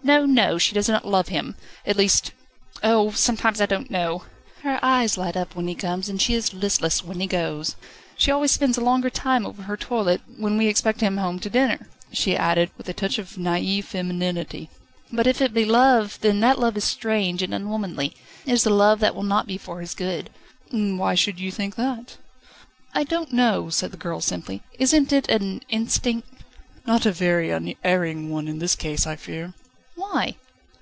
"No, no; she does not love him at least Oh! sometimes I don't know. Her eyes light up when he comes, and she is listless when he goes. She always spends a longer time over her toilet, when we expect him home to dinner," she added, with a touch of naïve femininity. "But if it be love, then that love is strange and unwomanly; it is a love that will not be for his good ..." "Why should you think that?" "I don't know," said the girl simply. "Isn't it an instinct?" "Not a very unerring one in this case, I fear." "Why?"